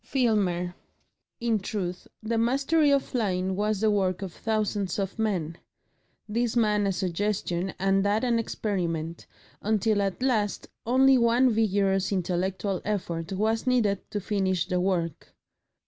FILMER In truth the mastery of flying was the work of thousands of men this man a suggestion and that an experiment, until at last only one vigorous intellectual effort was needed to finish the work.